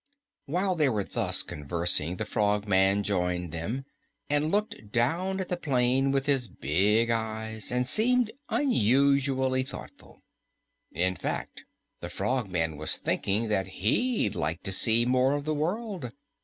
While they were thus conversing, the Frogman joined them and looked down at the plain with his big eyes and seemed unusually thoughtful. In fact, the Frogman was thinking that he'd like to see more of the world.